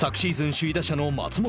首位打者の松本。